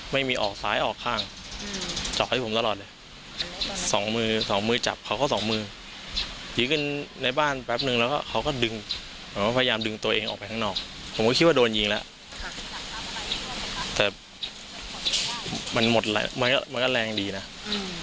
ไม่มีออกซ้ายออกข้างอืมเจาะให้ผมตลอดเลยสองมือสองมือจับเขาก็สองมือยิงกันในบ้านแป๊บนึงแล้วก็เขาก็ดึงผมก็พยายามดึงตัวเองออกไปข้างนอกผมก็คิดว่าโดนยิงแล้วแต่มันหมดแรงมันก็มันก็แรงดีนะอืม